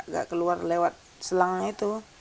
gak keluar lewat selangnya itu